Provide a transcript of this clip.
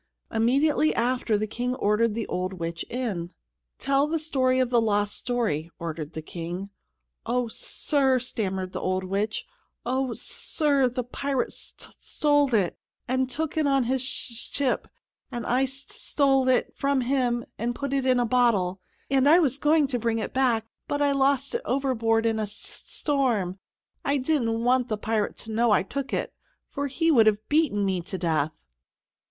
Immediately after, the King ordered the old witch in. "Tell the story of the lost story," ordered the King. "Oh, S Sir," stammered the old witch, "Oh, S Sir, the pirate st stole it, and took it on his sh ship, and I st stole it from him and put it in a bottle, and was going to bring it back, but I lost it overboard in a st storm. I didn't want the pirate to know I took it, for he would have beaten me to death."